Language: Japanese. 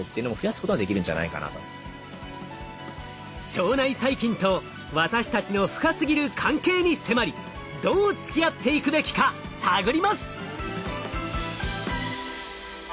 腸内細菌と私たちの深すぎる関係に迫りどうつきあっていくべきか探ります。